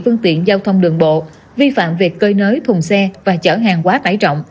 phương tiện giao thông đường bộ vi phạm việc cơi nới thùng xe và chở hàng quá tải trọng